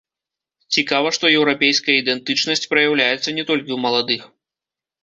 Цікава, што еўрапейская ідэнтычнасць праяўляецца не толькі ў маладых.